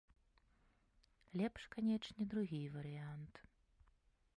Лепш канечне другі варыянт.